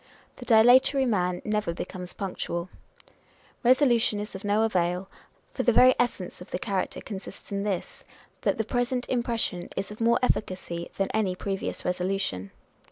The dilatory man never becomes punctual. Resolution is of no avail ; for the very essence of the character consists in this, that the present impression is of more efficacy than any previous resolution.